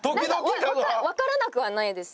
わからなくはないです。